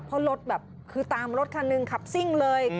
เพราะรถแบบคือตามรถคันหนึ่งขับซิ่งเลย